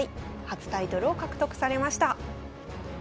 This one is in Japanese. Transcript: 初タイトルを獲得されました。